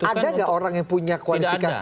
ada nggak orang yang punya kualifikasi